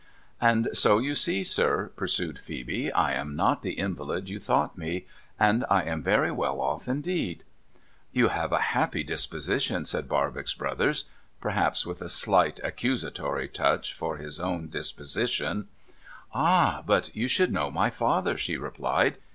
' And so you see, sir,' pursued Phcebe, ' I am not the invalid you thought me, and I am very well off indeed.' ' You have a happy disposition,' said Barbox Brothers : perhaps with a slight excusatory touch for his own disposition. ' Ah ! But you should know my father,' she replied.